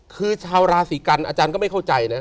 คือชาวราศีกันอาจารย์ก็ไม่เข้าใจนะ